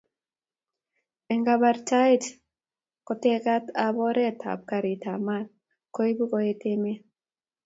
Eng'kabartaet ko teget ab oret ab garit ab mat koibu koet emet